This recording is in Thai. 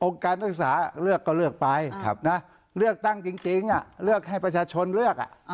การศึกษาเลือกก็เลือกไปเลือกตั้งจริงเลือกให้ประชาชนเลือก